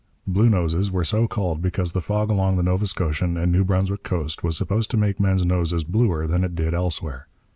Bluenoses were so called because the fog along the Nova Scotian and New Brunswick coast was supposed to make men's noses bluer than it did elsewhere.